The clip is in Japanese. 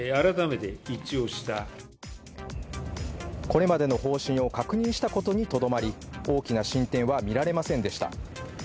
これまでの方針を確認したことにとどまり大きな進展は見られませんでした。